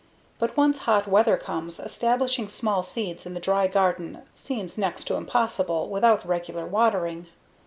But once hot weather comes, establishing small seeds in the dry garden seems next to impossible without regular watering.